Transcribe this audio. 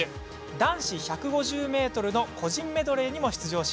男子１５０ｍの個人メドレーにも出場します。